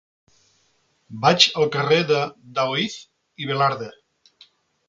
Vaig al carrer de Daoíz i Velarde.